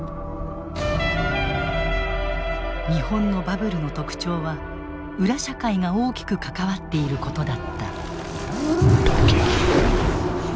日本のバブルの特徴は裏社会が大きく関わっていることだった。